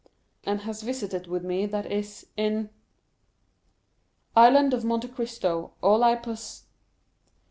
and has visited with me, that is, in... Island of Monte Cristo, all I poss...